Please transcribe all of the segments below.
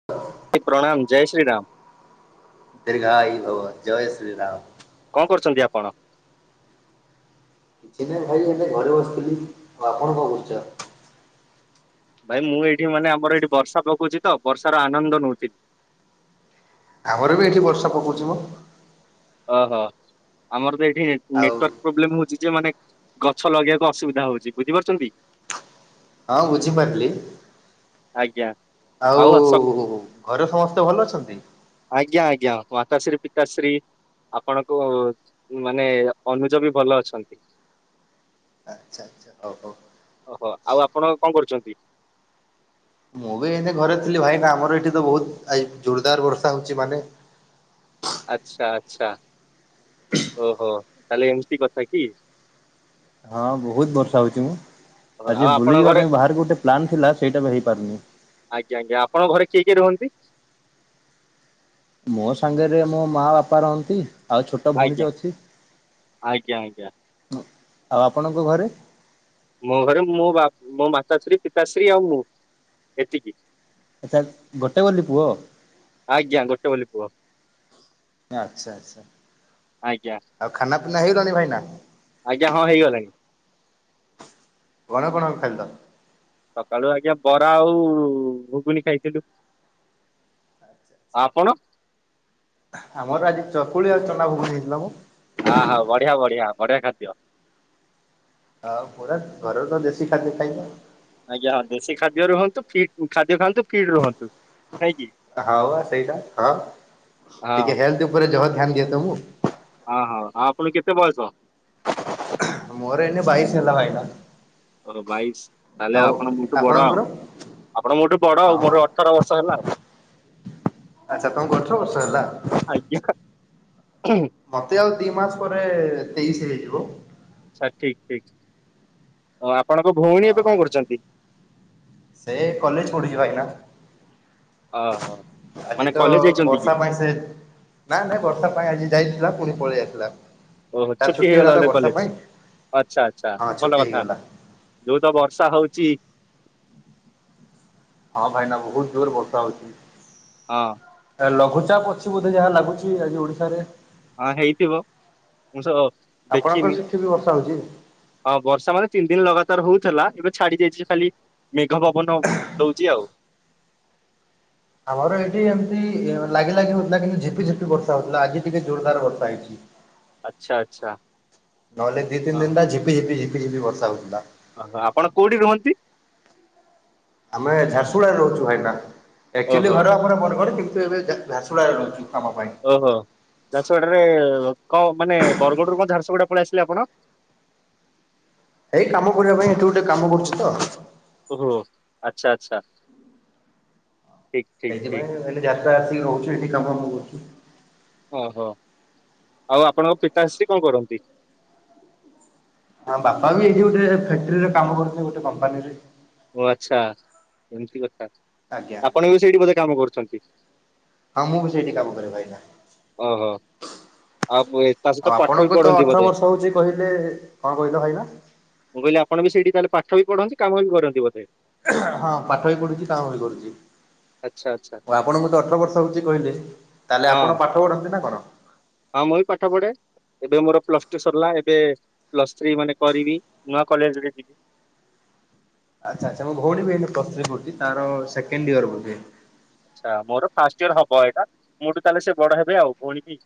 [inaudible] ପ୍ରଣାମ ଜୟ ଶ୍ରୀରାମ। ଦୀର୍ଘାୟ ଭବ। ଜୟ ଶ୍ରୀରାମ। କଣ କରୁଛନ୍ତି ଆପଣ? କିଛି ନାହିଁ ଭାଇ ଏବେ ଘରେ ବସିଥିଲି ଆଉ ଆପଣ କଣ କରୁଛ? ଭାଇ ମୁଁ ଏଇଠି ମାନେ ଆମର ଏଇଠି ବର୍ଷା ପକଉଛି ତ ବର୍ଷାର ଆନନ୍ଦ ନଉଛି। ଆମର ବି ଏଠି ବର୍ଷା ପକଉଛିି ମ। ଓହୋ ଆମର ତ ଏଠି ଆଉ ନେଟୱାର୍କ ପ୍ରୋବ୍ଲେମ ହଉଛି। ଯେ ମାନେ ଗଛ ଲଗେଇବାକୁ ଅସୁବିଧା ହଉଛି ବୁଝିପାରୁଛନ୍ତି। ହଁ ବୁଝିପାରିଲି। ଆଜ୍ଞା ଆଉ ଘରେ ସମସ୍ତେ ଭଲ ଅଛନ୍ତି? ଆଜ୍ଞା ଆଜ୍ଞା ମାତାଶ୍ରୀ ପିତାଶ୍ରୀ ଆପଣଙ୍କୁ ମାନେ ଅନୁଜ ବି ଭଲ ଅଛନ୍ତି। ଆଚ୍ଛା ଆଚ୍ଛା ହଉ ହଉ। ଓହୋ ଆଉ ଆପଣ କଣ କରୁଛନ୍ତି? ମୁଁ ଏଇନେ ଘରେ ଥିଲି ଭାଇନା ଆମର ଏଠି ତ ବହୁତ ଆ ଜୋରଦାର ବର୍ଷା ହେଉଛି। ମାନେ ଆଚ୍ଛା ଆଚ୍ଛା ଓହୋ ତାହେଲେ ଏମିତି କଥା କି? ହଁ ବହୁତ ବର୍ଷା ହଉଛି ମ। ଓହୋ, ଆଉ ଆଜି ଆପଣଙ୍କ ବୁଲିଯିବା ଘରେ ପାଇଁ ବାହାରକୁ ଗୋଟେ ପ୍ଲାନ୍ ଥିଲା ସେଇଟା ବି ହେଇପାରୁନି। ଆଜ୍ଞା ଆଜ୍ଞା ଆପଣ ଘରେ କିଏ କିଏ ରୁହନ୍ତି? ମୋ ସାଙ୍ଗରେ ମୋ ମା ବାପା ରହନ୍ତି। ଆଉ ଛୋଟ ଆଜ୍ଞା ଭଉଣୀଟେ ଅଛି। ଆଜ୍ଞା ଆଜ୍ଞା ଆଉ ଆପଣଙ୍କ ଘରେ? ମୋ ଘରେ ମୋ ବା ମୋ ମାତାଶ୍ରୀ ପିତାଶ୍ରୀ ଆଉ ମୁଁ ଏତିକି। ଆଚ୍ଛା ଗୋଟେ ବୋଲି ପୁଅ? ଆଜ୍ଞା ଗୋଟେ ବୋଲି ପୁଅ ଆଛା ଆଚ୍ଛା ଆଜ୍ଞା ଆଉ ଖାନା ପିନା ହେଇଗଲାଣି ଭାଇନା? ଆଜ୍ଞା ହଁ ହେଇଗଲାଣି। କଣ କଣ ଖାଇଲ? ସକାଳୁ ଆଜ୍ଞା ବରା ଆଉ ଘୁଗୁନି ଖାଇଥିଲୁ। ଆଚଛା ଆଚଛା ଆପଣ ଆମର ଆଜି ଚକୁଳି ଆଉ ଚନା ଘୁଗୁନି ହେଇଥିଲା ମ। ଅହୋ ବଢିଆ ବଢିଆ ବଢିଆ ଖାଦ୍ୟ। ଆଉ ପୁରା ଘରର ତ ଦେଶୀ ଖାଦ୍ୟ ଖାଇବା ଆଉ। ଆଜ୍ଞା ଦେଶୀ ଖାଦ୍ୟ ରୁହନ୍ତୁ ଖାଦ୍ୟ ଖାଆନ୍ତୁ ଫିଟ୍ ରୁହନ୍ତୁ। ନାଇଁ କି ହଉ ସେଇଟା। ହଁ ହଁ ଟିକେ ହେଲ୍ଥ ଉପରେ ଯହ ଧ୍ୟାନ ଦିଏ ତ ମୂଁ। ଓ ହୋ ଆପଣ କେତେ ବୟସ? ମୋର ଏଇନେ ବାଇଶ ହେଲା ଭାଇନା। ବାଇଶ ତାହେଲେ ଆଉ ଆପଣ ମୋଠୁ ବଡ ଆପଣଙ୍କର? ଆଉ। ଆପଣ ମୋଠୁ ବଡ ହଁ ଆଉ ବା ମୋର ଅଠର ବର୍ଷ ହେଲା ଆଉ। ଆଚ୍ଛା ତମକୁ ଅଠର ବର୍ଷ ହେଲା। ଆଜ୍ଞା ମତେ ଆଉ ଦି ମାସ ପରେ ତେଇଶ ହେଇଯିବ। ସାର ଠିକ ଠିକ ଆପଣଙ୍କ ଭଉଣୀ ହଁ ଏବେ ଭାଇ କଣ କରୁଛନ୍ତି। ସେ କଲେଜ ପଢ଼ୁଛି ଭାଇନା। ଓହୋ ଆଜି ମାନେ ତ କଲେଜ ଯାଇଛନ୍ତି କି ବର୍ଷା ପାଇଁ ସେ ନା ନା ବର୍ଷା ପାଇଁ ଆଜି ଯାଇଥିଲା ପୁଣି ପଳେଇ ଆସିଲା। ଓହୋ ତାର ଛୁଟି ହେଇଗଲା ତ ବୋଧେ ବର୍ଷା କଲେଜ ପାଇଁ। ଆଚ୍ଛା ଆଚ୍ଛା ହଁ ଭଲ ଛୁଟି କଥା। ହେଇଗଲା ଯୋଉ ତ ବର୍ଷା ହଉଛି ହଁ ଭାଇନା ବହୁତ ଜୋରରେ ବର୍ଷା ହଉଛି। ହଁ ସାର ଲଘୁଚାପ ଅଛି ବୋଧେ ଯାହା ଲାଗୁଛି ଆଜି ଓଡିଶାରେ? ହଁ ହେଇଥିବ ମୁଁ ତ ଆପଣଙ୍କର ଦେଖିନି। ସେଠି ବି ବର୍ଷା ହଉଛି? ହଁ ବର୍ଷା ମାନେ ତିନି ଦିନ ଲଗାତାର ହଉଥିଲା ଏବେ ଛାଡି ଯାଇଛି ଖାଲି ମେଘ ପବନ ଦଉଛି ଆଉ। ଆମର ଏଇଠି ଏମିତି ଲାଗ ଲାଗି ହଉଥିଲା କିନ୍ତୁ ଝିପ ଝିପି ବର୍ଷା ହଉଥିଲା ଆଜି ଟିକେ ଜୋରଦାର ବର୍ଷା ହେଇଛି। ଆଚ୍ଛା ଆଚ୍ଛା ଅହ ଝିପିଝିପି ବର୍ଷା ହଉଥିଲା। ଓହୋ ଆପଣ କୋଉଠି ରହନ୍ତି? ଆମେ ଝାରସୁଗୁଡ଼ାରେ ରହୁଛୁ ଭାଇନା ଏକଚୁଆଲି ଓହୋ ଘର ଆମର ବରଗଡ କିନ୍ତୁ ଏବେ ଝାରସୁଗୁଡାରେ ରହୁଛୁ କାମ ପାଇଁ। ଓହୋ ଝାରସୁଗୁଡାରେ କଣ ମାନେ ବରଗଡ଼ରୁ କଣ ଝାରସୁଗୁଡା ପଳେଇ ଆସିଲେ ଆପଣ? ଏଇ କାମ କରିବା ପାଇଁ ଏଠୁ ଗୋଟେ କାମ କରୁଛି ତ। ଓହୋ ଆଚ୍ଛା ଆଚ୍ଛା ଠିକ। ଠିକ ଠିକ ସେଇଥିପାଇଁ ହେଲେ ଯାତ୍ରା ଆସିକି ରହୁଛୁ ଏଠି କାମ କରୁଛୁ। ଓହୋ ଆଉ ଆପଣଙ୍କ ପିତାଶ୍ରୀ କଣ କରନ୍ତି? ଆମ ବାପା ବି ଏଇଠି ଗୋଟେ ଫ୍ୟାକ୍ଟ୍ରିରେ କାମ କରୁଛନ୍ତି ଗୋଟେ କମ୍ପାନୀରେ। ଓ ଆଚ୍ଛା ଏମିତି କଥା ଆଜ୍ଞା। ଆପଣ ବି ସେଇଠି ବୋଧେ କାମ କରୁଛନ୍ତି? ହଁ ମୁଁ ବି ସେଇଠି କାମ କରେ ଭାଇନା। ଓହୋ। ଆଉ ଏ- ତା ସହିତ ଆଉ ପାଠ ବି ଆପଣଙ୍କୁ ତ ପଢନ୍ତି ଅଠର ବୋଧେ ବର୍ଷ ହଉଛି କହିଲେ। କଣ କହିଲ ଭାଇନା? ମୁଁ କହିଲି ଆପଣ ବି ସେଇଠି ତାହେଲେ ପାଠ ବି ପଢ଼ନ୍ତି କାମ ବି କରନ୍ତି ବୋଧେ? ହଁ ପାଠ ବି ପଢୁଛି କାମ ବି କରୁଛି। ଆଚ୍ଛା ଆଚ୍ଛା ଓଉ ଆପଣ ମତେ ଅଠର ବର୍ଷ ହଉଛି କହିଲେ ତାହେଲେ ହଁ ଆପଣ ପାଠ ପଢନ୍ତି ନା କଣ? ହଁ ମୁଁ ବି ପାଠ ପଢେ ଏବେ ମୋର ପ୍ଲସ୍ ଟୁ ସରିଲା ଏବେ ପ୍ଲସ ଥ୍ରୀ ମାନେ କରିବି ନୂଆ କଲେଜ ରେ ଯିବି ଆଚ୍ଛା ଆଚ୍ଛା ମୋ ଭଉଣୀ ବି ଏବେ ପ୍ଲସ ଥ୍ରୀ ପଢୁଛି ତାର ସେକଣ୍ଡ ଇୟର ବୋଧେ ଆଚ୍ଛା ମୋର ଫାଷ୍ଟ ଇୟର ହବ ଏଇଟା ମୋ ଠୁ ତାହେଲେ ସେ ବଡ ହେବେ ଆଉ ଭଉଣୀ କି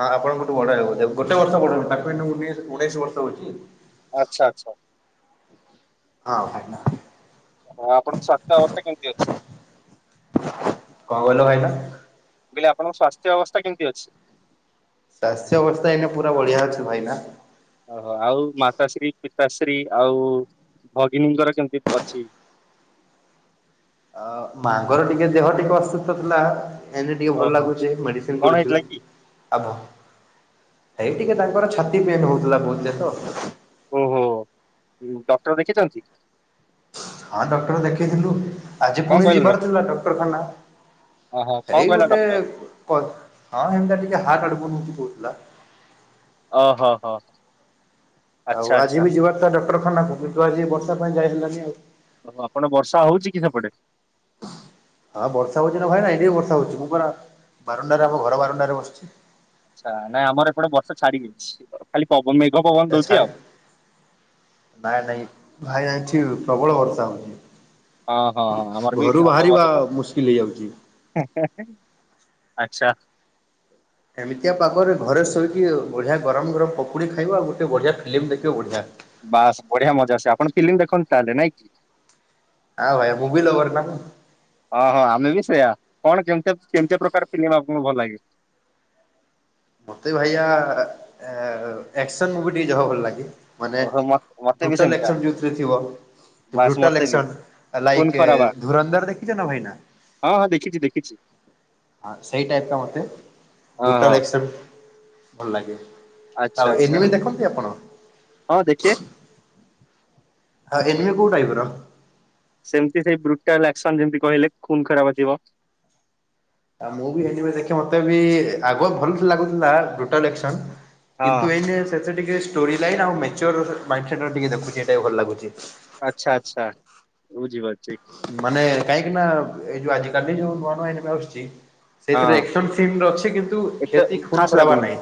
ହଁ ଆପଣଙ୍କଠୁ ବଡ ହେବ ବୋଧେ ଗୋଟେ ବର୍ଷ ବଡ ତାକୁ ଏନେ ଉଣେଇ ଉଣେଇଶ ବର୍ଷ ହଉଛି ଆଚ୍ଛା ଆଚ୍ଛା ହଁ ଭାଇନା ହଁ ଆପଣଙ୍କ ସ୍ୱାସ୍ଥ୍ୟ ଅବସ୍ଥା କେମିତି ଅଛି? କଣ କହିଲ ଭାଇନା? ମୁଁ କହିଲି ଆପଣଙ୍କ ସ୍ୱାସ୍ଥ୍ୟ ଅବସ୍ଥା କେମିତି ଅଛି? ସ୍ୱାସ୍ଥ୍ୟ ଅବସ୍ଥା ଏଇନେ ପୁରା ବଢିଆ ଅଛି ଭାଇନା ଓହୋ ଆଉ ମାତାଶ୍ରୀ ପିତାଶ୍ରୀ ଆଉ ଭଗିନୀଙ୍କର କେମିତି ଅଛି? ଆ ମାଙ୍କର ଟିକେ ଦେହ ଟିକେ ଅସୁସ୍ଥ ଥିଲା ଏଇନେ ଟିକେ ଭଲ ଓହୋ ଲାଗୁଚେ ମେଡିସିନ କଣ କରୁଛୁ ହେଇଥିଲା କି ଆଉ ଏଇ ଟିକେ ତାଙ୍କର ଛାତି ପେନ୍ ହଉଥିଲା ବହୁତ ଜୋର ସେ ହୁଁ ହୁ ଡକ୍ଟର ଦେଖିଛନ୍ତି। ହଁ ଡକ୍ଟର ଦେଖେଇଥିଲୁ। ଆଜି କଣ ପୁଣି କହିଲେ ଡକ୍ଟର? ଯିବାର ଥିଲା ଡକ୍ଟରଖାନା ଓହୋ ଏଇ କଣ କହିଲା ଗୋଟେ ଡକ୍ଟର? କ ହଁ ହେମତି ଆ ଟିକେ ହାର୍ଟ ଆଡକୁ ନୁକି ପଡ଼ୁଥିଲା। ଓ ହୋ ହଁ ହ। ଆଉ ଆଜି ବି ଯିବାଟା ଡକ୍ଟରଖାନାକୁ। ମିଟୁ ଆଜି ବର୍ଷା ପାଇଁ ଯାଇ ହେଲାନି ଆଉ। ଓହୋ ଆପଣ ବର୍ଷା ହେଉଛି କି ସେପଟେ? ହଁ ବର୍ଷା ହଉଛି ନା ଭାଇନା ଏଠି ବି ବର୍ଷା ହଉଛି। ମୁଁ ପରା ବାରଣ୍ଡାରେ ଆମ ଘର ବାରଣ୍ଡାରେ ବସିଛି। ଆଛା ନାଇଁ ଆମର ଏପଟେ ବର୍ଷା ଛାଡିଯାଇଛି। ଖାଲି ପଵ ମେଘ ପବନ ଦଉଛି ଆଉ। ନା ନାଇଁ ଭାଇ ଏଇଠି ପ୍ରବଳ ବର୍ଷା ହଉଛି। ହଁ ହଁ ହଁ ଆମର ଘରୁ ବାହାରିବା ମୁସ୍କିଲ୍ ହେଇଯାଉଛି। ହେଁ ହେଁ ଆଚ୍ଛା। ଏମିତିଆ ପାଗରେ ଘରେ ଶୋଇକି ବଢିଆ ଗରମ ଗରମ ପକୁଡ଼ି ଖାଇବ। ଆଉ ଗୋଟେ ବଢିଆ ଫିଲ୍ମ ଦେଖିବ ବଢ଼ିଆ। ବାସ୍ ବଢିଆ ମଜା ସେ। ଆପଣ ଫିଲ୍ମ ଦେଖନ୍ତି ତାହେଲେ ନାଇଁ କି? ଆଉ ଭାଆ [unintelligible] ନା? ହଁ ହଁ ଆମେ ବି ସେୟା। କଣ କେମିତି କେମିତିଆ ପ୍ରକାର ଫିଲିମ ଆପଣଙ୍କୁ ଭଲ ଲାଗେ? ମତେ ଭାୟା ଏ ଏକ୍ ଏକ୍ସନ୍‌ ମୁଭି ଟିକେ ଯହା ହେଉ ଭଲ ଲାଗେ। ମାନେ ଓହୋ ମତ ମତେ ବି ଟୋଟାଲ୍ ସେମିତିଆ। ଏକ୍ସନ୍‌ ଯେଉଁଥିରେ ଥିବ। ବାସ୍ ଭୃଟାଲ୍ ମତେ ବି ଏକ୍ସନ୍‌ ଆଇ ଖୁନ ଲାଇକ୍ ଖରାବା ଧୁରନ୍ଧର୍ ଦେଖିଛ ନା ଭାଇନା।? ହଁ ହଁ ଦେଖିଛି ଦେଖିଛି। ହଁ ସେଇ ଟାଇପ୍ ର ମୋତେ ହଁ ହଁ ବୄଟାଲ ଏକ୍ସନ୍‌। ଭଲ ଲାଗେ। ଆଉ ଆଚ୍ଛା ଆଚ୍ଛା ଏନିମେ ଦେଖନ୍ତି ଆପଣ ହଁ ଦେଖିଆ ହଁ ଏନିମେ କୋଉ ଟାଇପ ର? ସେମିତି ସେଇ ବୄଟାଲ୍ ଏକ୍ସନ୍ ଯେମିତି କହିଲେ ଖୁନ ଖରାପ ଥିବ। ଆଉ ମୁଁ ବି ଏନିମେ ଦେଖେ ମତେ ବି ଆଗ ଭଲ ଲାଗୁଥିଲା ବୄଟାଲ୍ ଏକ୍ସନ୍। ହଁ। କିନ୍ତୁ ଏଇନେ ସେତେଟିକେ ଷ୍ଟୋରି ଲାଇନ୍ ଆଉ ମ୍ୟାଚୁର୍ ମାଇଣ୍ଡ ସେଟ୍ ର ଦେଖୁଚେ ଭଲ ଲାଗୁଛି। ଆଚ୍ଛା ଆଚ୍ଛା ବୁଝି ପାରୁଛି। ମାନେ କାହିଁକି ନା ଏଇ ଯୋଉ ଆଜିି କାଲି ଯୋଉ ନୂଆ ନୂଆ [unintelligible] ବାହାରୁଚି ସେଇଥିରେ ହଁ ଏକ୍ସନ୍‌ ସିନ୍ ଅଛି କିନ୍ତୁ ଏତେ କ୍ଷତି ଖୁନ ଖାସ୍ ଖରାବା ଲାଗୁନି ନାହିଁ।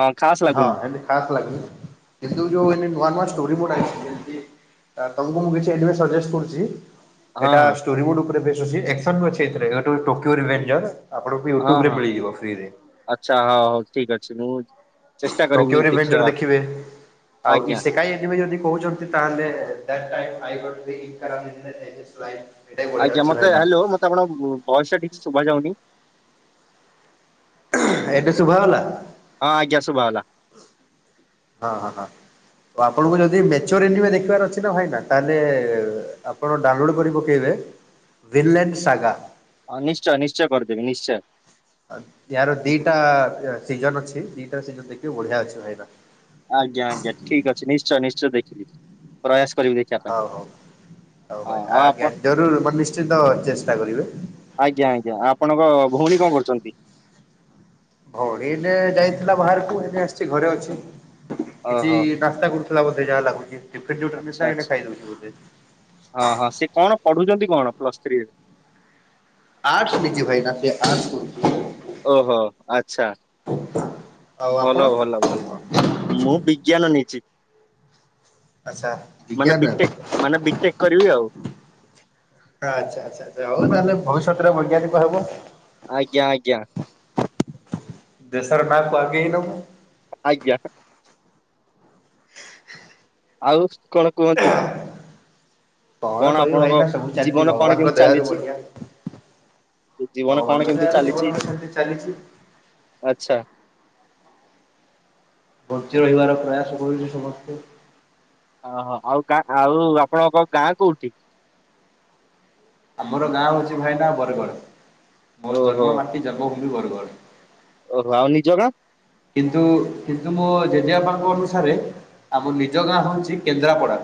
ହଁ ଖାସ୍ ହଁ ଲାଗୁନି ଏମ୍ତି ଖାସ୍‌ ଲାଗୁନି କିନ୍ତୁ ଯୋ ଏଇନେ ନୂଆ ନୂଆ ଷ୍ଟୋରି ଗୋଟେ ଆଇଛି। ଆ ତମକୁ ମୁଁ କିଛି ଏଠିପାଇଁ ସଜେଷ୍ଟ କରୁଛି। ହଁ ଏଟା ହଁ ଷ୍ଟୋରି ବୁଡ୍ ଉପରେ ବେଶ ଅଛି। ଏକ୍ସନ ଅଛି ଏଥିରେ ଟୋକିଓ ରିଭେଞ୍ଜର୍ ଆପଣଙ୍କୁ ହଁ ୟୁଟ୍ୟୁବ ରେ ହଁ ମିଳିଯିବ ଫ୍ରିରେ। ଆଚ୍ଛା ହଉ ହଉ ଠିକ ଅଛି ମୁୁ- ଟୋକିଓ ରିଭେଞ୍ଜର ଦେଖିବେ। ଆଉ ଆଜ୍ଞା ଇସ କା [unintelligible] ଯଦି କହୁଛନ୍ତି। ତାହେଲେ ଦାଟ୍ ଟାଇପ୍ ଆଇ ଗଟ୍ [unintelligible] ଆଜ୍ଞା ଅଛି ମତେ ଭାଇନା ହ୍ୟାଲୋ ମତେ ଆପଣଙ୍କ ଭଏସ୍‌ଟା କିଛି ଶୁଭା ଯାଉନି। ଏବେ ଶୁଭା ଗଲା। ହଁ ଆଜ୍ଞା ଶୁବା ଗଲା। ହଁ। ହଁ। ଆଉ ଆପଣଙ୍କୁ ଯଦି ମେଚର ଏନିମେ ଦେଖିବାର ଅଛି ନା ଭାଇନା ତାହେଲେ ଆପଣ ଡାଉନଲୋଡ୍ କରି ପକେଇବେ ଭିଲେନ୍‌ ସାଗା। ଅ ନିଶ୍ଚୟ ନିଶ୍ଚୟ କରିଦେବି ନିଶ୍ଚୟ। ଏହାର ଦିଟା ସିଜନ ଅଛି। ଦିଟା ସିଜନ ଦେଖିବେ ବଢିଆ ଅଛି ଭାଇନା। ଆଜ୍ଞା ଆଜ୍ଞା ଠିକ ଅଛି ନିଶ୍ଚୟ ନିଶ୍ଚୟ ଦେଖିବି ପ୍ରୟାସ କରିବି ଦେଖି ହଉ ହଉ ହଉ ଭାଇ ଆପଣ ଆଜ୍ଞା ଜରୁର୍ ମାନେ ନିଶ୍ଚିତ ଚେଷ୍ଟା କରିବେ। ଆଜ୍ଞା ଆଜ୍ଞା ଆଉ ଆପଣଙ୍କ ଭଉଣୀ କଣ କରୁଛନ୍ତି। ଭଉଣୀ ଏଇନେ ଯାଇଥିଲା ବାହାରକୁ ଏଇନେ ଆସିଛି ଘରେ ଅଛି। କିଛି ଓହୋ ନାସ୍ତା କରୁଥିଲା ବୋଧେ ଯାହା ଲାଗୁଛି। ଏଫେକ୍ସଟି ଆଚ୍ଛା ନେଇଥିଲା ଏଇନିକା ଆଚ୍ଛା ଖାଇ ଦୋଉଛି ବୋଧେ। ହଁ ହଁ ସେ କଣ? ପଢୁଛନ୍ତି କଣ ପ୍ଲସ୍ ଥ୍ରୀ। ଆର୍ଟସ ନିଜେ ଭାଇନା ସେ ଆର୍ଟସ କରୁଚି। ଓହୋ ଆଚ୍ଛା ଆଉ ଆପଣ ଭଲ ଭଲ ଭଲ। ମୁଁ ବିଜ୍ଞାନ ନେଇଛି ଆଚ୍ଛା ମାନେ ବିଜ୍ଞାନ। ବିଟେକ୍। ମାନେ ବିଟେକ୍ କରିବି ଆଉ। ଆଚ୍ଛା, ଆଚ୍ଛା, ଆଛା ହଉ ତାହେଲେ ଭବିଷ୍ୟତରେ ବୈଜ୍ଞାନିକ ହବ। ଆଜ୍ଞା ଆଜ୍ଞା। ଦେଶର ନାଁକୁୁ ଆଗେଇ ନେବ। ଆଜ୍ଞା। ଆଉ କଣ କୁହନ୍ତୁ। କଣ କହିବୁ ଆପଣଙ୍କ ଭାଇନା ସବୁ ଚାଲିଛି ଜୀବନ କଣ ଭଗବାନଙ୍କ କେମିତି ଦୟାରୁ ଚାଲିଛି? ବଢିଆ। ଜୀବନ ଭଗବାନଙ୍କ କଣ କେମିତି ଦୟାରୁ ଜୀବନ ଚାଲିଛି ସେମିତି ଚାଲିଛି। ଆଛା। ବଞ୍ଚି ରହିବାର ପ୍ରୟାସ କରୁଛେ ସମସ୍ତେ। ଓହୋ ଆଉ ଗା ଆଉ ଆପଣଙ୍କ ଗାଁ କୋଉଠି। ଆମର ଗାଁ ହଉଛି ଭାଇନା ବରଗଡ଼। ମୋ ଓହୋ ଜନ୍ମ ମାଟି ଜନ୍ମଭୂମି ବରଗଡ଼। ଓହୋ ଆଉ ନିଜ ଗାଁ? କିନ୍ତୁ, କିନ୍ତୁ ମୋ ଜେଜେବାପାଙ୍କ ଅନୁସାରେ। ଆମ ନିଜ ଗାଁ ହେଉଛି କେନ୍ଦ୍ରାପଡା।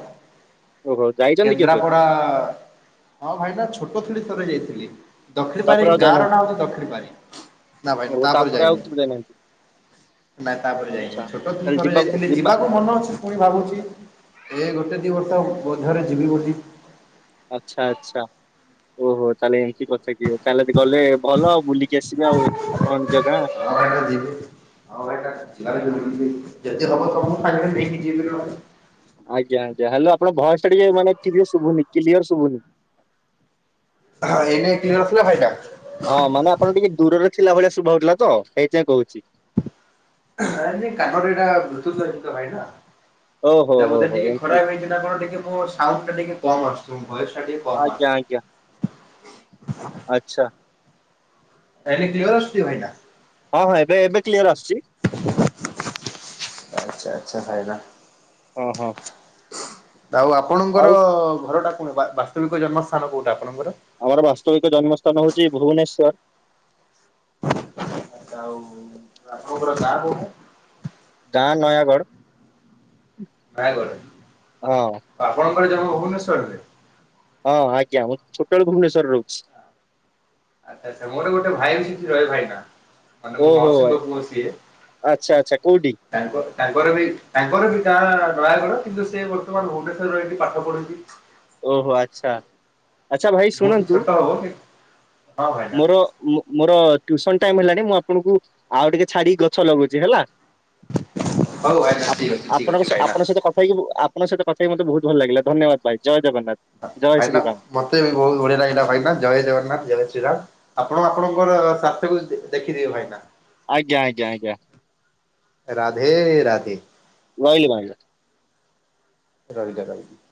ଓହୋ ଯାଇଛନ୍ତି କେବେ କେନ୍ଦ୍ରାପଡା ହଁ ଭାଇନା ଛୋଟ ଥିଲି ଥରେ ଯାଇଥିଲି। ଦକ୍ଷିଣ ପାରି ତାପରେ ଆଉ ଗାଁ ର ଯାଇନାହାନ୍ତି ନାଁ ହେଉଛି ଦକ୍ଷିଣ ପାରି ନା ଭାଇ ଓହୋ ତାପରେ ଆଉ ଯାଇନି। କେବେ ଯାଇନାହାନ୍ତି ନା ତାପରେ ଯାଇନି। ଆଚ୍ଛା ଛୋଟଦିନୁ ତାହେଲେ ଥରେ ଯିବା ଯାଇଥିଲି ଯିବା। ମୋର ମନ ଅଛି। ପୁଣି ଭାବୁଛି। ଏ ଗୋଟେ ଦି ବର୍ଷ ବୋଧେରେ ଯିବି ବୋଲିି। ଆଚ୍ଛା ଆଚ୍ଛା ଓହୋ ତାହେଲେ ଏମିତି କଥା କି? ତାହେଲେ ଗଲେ ଭଲ ବୁଲି। କେ ଆସିବେ ଆଉ? ଆପଣ ନିଜ ଗାଁ। ହଁ ଭାଇନା ଯଦି ହବ ତମକୁ ସାଙ୍ଗରେ ନେଇକି ଯିବି ବୋଲି ଭାବୁଛି। ଆଜ୍ଞା ଯାହାହେଲେ ଆପଣଙ୍କ ଭଇସ ଟା ଟିକେ ମାନେ କ୍ଲିଅର, କ୍ଲିଅର ଶୁଭୁନି। ହଁ ଏଇନି କା କିଛି ନା ଥିଲା ଫାଇଦା। ହଁ ମାନେ ଆପଣ ଟିକେ ଦୂରରେ ଥିଲା ଭଳିଆ ଶୁଭା ହଉଥିଲା ତ ସେଇଥିପାଇଁ କହୁଛି। କାନରେ ଏଇଟା ବ୍ଲୋଟୁଥି ଲଗେଇଛି ଓହୋ ତ ହୋ ବୋଧ ହୋ ଟିକେ ଖରା। ଏମତି। କଣ? ଟା ଟିକେ ମୋ ସାଉଣ୍ଡୁ ଟା ଟିକେ କମ ଆସୁଛି। ମୋ ଭଏସ ଟା ଟିକେ। କମ ଆଜ୍ଞା ଆସୁଛି। ଆଜ୍ଞା। ଆଛା। ଏଇନା କ୍ଲିୟର ଆସୁଛି ଭାଇନା? ହଁ ହଁ ଏବେ ଏବେ କ୍ଲିୟର ଆସୁଛି। ଆଛା ଆଛା ଭାଇନା। ଅ ହ। ଆଉ ଆପଣଙ୍କର ଘର ଟା କୁଣେ। ବାସ୍ତବିକ ଜନ୍ମସ୍ଥାନ କୋଉଟା ଆପଣଙ୍କର? ଆମର ବାସ୍ତବିକ ଜନ୍ମସ୍ଥାନ ହଉଛି ଭୁବନେଶ୍ଵର। [unintelligible] ଆଛା ଆଉ ଆପଣଙ୍କର ଗାଁ କୋଉଠେ? ଗାଁ ନୟାଗଡ଼। ନୟାଗଡ, ହଁ। ଆପଣଙ୍କର ଜନ୍ମ ଭୁବନେଶ୍ଵରରେ। ହଁ ଆଜ୍ଞା। ମୁଁ ଛୋଟବେଳୁ ଭୁବନେଶ୍ୱରରେ ରହୁଛି। ଆଛା ଆଛା, ମୋର ଗୋଟେ ଭାଇ ସେଠି ରହେ ଭାଇନା। ମାନେ ମୋ ଓହୋ ମାଉସୀଙ୍କ ପୁଅ ସିଏ। ଆଚ୍ଛା ଆଚ୍ଛା କୋଉଠି ତାଙ୍କ ତାଙ୍କର ବି ତାଙ୍କର ଗାଁ ନୟାଗଡ କିନ୍ତୁ ସେ ବର୍ତ୍ତମାନ ଭୁବନେଶ୍ୱରର ଏଠି ପାଠ ପଢୁଛି। ଓହୋ ଆଛା, ଆଛା ଭାଇ ମୋଠୁ ଶୁଣନ୍ତୁ? ଛୋଟ ହବ କି ହଁ ଭାଇନା ମୋର ମୋର ଟ୍ୟୁସନ ଟାଇମ ହେଲାଣି ମୁଁ ଆପଣଙ୍କୁ ଆଉ ଟିକେ ଛାଡି ଗଛ ଲଗଉଛି ହେଲା। ହଉ ଭାଇନା ଆପ ଠିକ ଅଛି ଠିକ ଆପଣଙ୍କ ଅଛି ଭାଇନା। ଆପଣଙ୍କ ସହିତ କଥା ହୋଇକି ଆପ ଆପଣଙ୍କ ସହିତ କଥା ହୋଇକି ମତେ ବହୁତ ଭଲ ଲାଗିଲା। ଧନ୍ୟବାଦ ଭାଇ, ଜୟ ଜଗନ୍ନାଥ। ଜୟ ଭାଇନା ଶ୍ରୀରାମ। ମତେ ବି ବହୁତ ବଢିଆ ଲାଗିଲା ଭାଇନା, ଜୟ ଜଗନ୍ନାଥ, ଜୟ ଶ୍ରୀରାମ। ଆପଣ ଆପଣଙ୍କର ସ୍ୱାର୍ଥକୁ ଦେଖିଥିବେ ଭାଇନା ଆଜ୍ଞା ଆଜ୍ଞା ଆଜ୍ଞା। ରାଧେ ରାଧେ। ରହିଲି ଭାଇ। ଜୟ ଜଗନ୍ନାଥ।